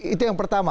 itu yang pertama